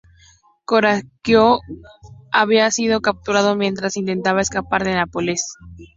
Caracciolo había sido capturado mientras intentaba escapar de Nápoles.